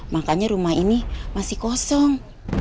makanya rumah ini masih kosong